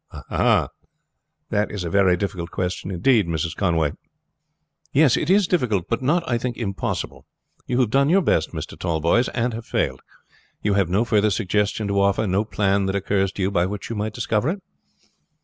"Ah! that is a very difficult question indeed, Mrs. Conway." "Yes, it is difficult, but not, I think, impossible. You have done your best, Mr. Tallboys, and have failed. You have no further suggestion to offer, no plan that occurs to you by which you might discover it?"